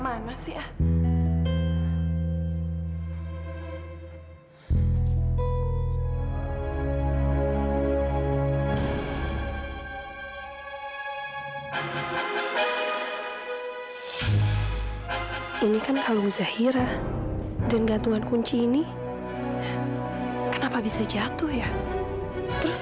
aku harus bicara sama zahira soal gantungan kunci itu